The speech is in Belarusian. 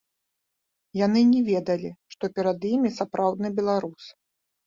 Яны не ведалі, што перад імі сапраўдны беларус.